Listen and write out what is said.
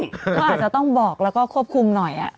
ก็อาจจะต้องบอกแล้วก็ควบคุมหน่อย